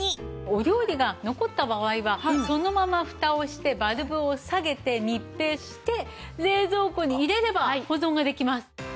お料理が残った場合はそのままフタをしてバルブを下げて密閉して冷蔵庫に入れれば保存ができます。